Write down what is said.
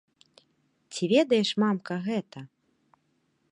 Ці ведаеш, мамка, гэта?